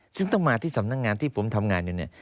ซึ่งต้องมาที่สำนักงานที่ผมทำงานอยู่เนี่ย